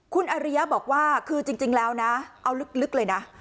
คุณอริยะบอกว่าคือจริงแล้วนะเอาลึกเลยนะ